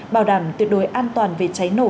bảo đảm tuyệt đối an toàn về cháy nổ